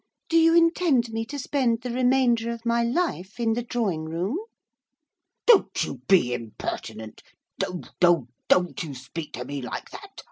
do you intend me to spend the remainder of my life in the drawing room?' 'Don't you be impertinent! do do don't you speak to me like that!